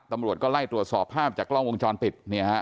ตำรวจก็ไล่ตรวจสอบภาพจากกล้องวงจรปิดเนี่ยฮะ